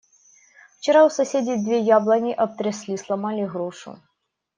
Вчера у соседей две яблони обтрясли, сломали грушу.